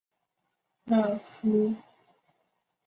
埃尔夫河畔圣乔治。